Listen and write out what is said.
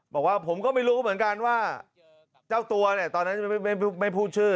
บอกว่าผมก็ไม่รู้เหมือนกันว่าเจ้าตัวเนี่ยตอนนั้นไม่พูดชื่อ